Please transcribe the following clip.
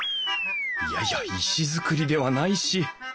いやいや石造りではないし。